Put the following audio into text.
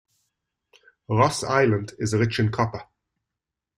Ross Island is rich in copper.